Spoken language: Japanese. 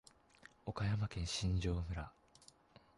岡山県新庄村